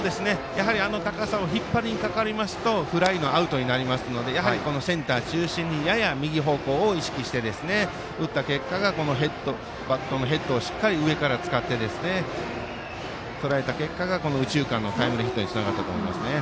あの高さを引っ張りにかかりますとフライのアウトになりますのでやはりセンター中心にやや右方向を意識して打った結果が、バットのヘッドをしっかり上から使ってとらえた結果が右中間のタイムリーヒットにつながったと思います。